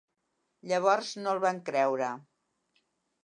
Llavors, no el van creure.